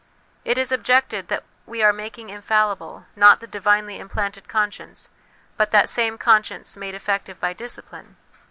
It is objected that we are making infallible, not the divinely implanted conscience, but that same con science made effective by discipline.